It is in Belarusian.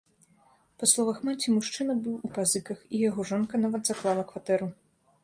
Па словах маці, мужчына быў у пазыках і яго жонка нават заклала кватэру.